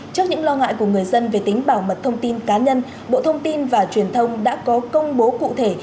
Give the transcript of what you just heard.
trước những lo ngại của người dân về tính bảo mật thông tin cá nhân bộ thông tin và truyền thông đã có công bố cụ thể